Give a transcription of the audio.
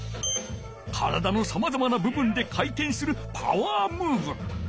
体のさまざまなぶぶんでかいてんするパワームーブ。